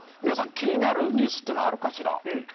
皆さん気になるニュースはあるかしら？